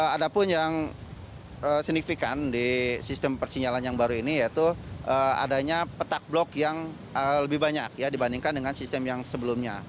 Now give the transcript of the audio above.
ada pun yang signifikan di sistem persinyalan yang baru ini yaitu adanya petak blok yang lebih banyak dibandingkan dengan sistem yang sebelumnya